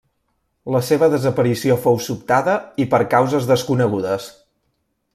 La seva desaparició fou sobtada i per causes desconegudes.